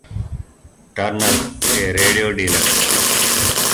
Turner, a radio dealer.